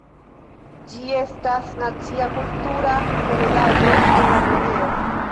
Ĝi estas nacia kultura heredaĵo en Armenio.